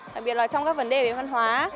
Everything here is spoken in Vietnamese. đặc biệt là trong các vấn đề về văn hóa